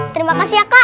terima kasih ya kak